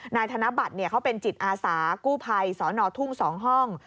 ธนบัตรเขาเป็นจิตอาสากู้ภัยสนทุ่ง๒ห้อง